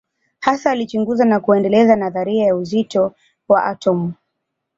Hasa alichunguza na kuendeleza nadharia ya uzito wa atomu.